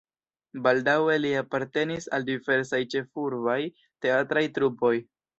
Baldaŭe li apartenis al diversaj ĉefurbaj teatraj trupoj.